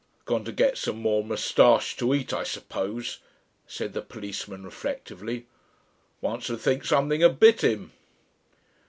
"Gone to get some more moustache to eat, I suppose," said the policeman reflectively.... "One 'ud think something had bit him."